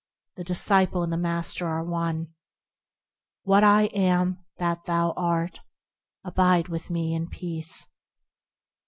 The disciple and the Master are one; What I am, that thou art. Abide with Me in Peace.